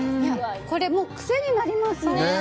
これ、癖になりますね。